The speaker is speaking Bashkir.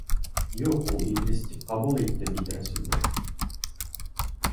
Юҡ, ул Иҙрис тип ҡабул итте бит Рәсүлде.